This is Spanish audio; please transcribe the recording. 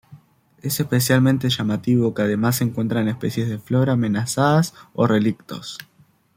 Es especialmente llamativo que además se encuentran especies de flora amenazadas o relictos.